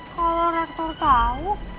kalau rektor tahu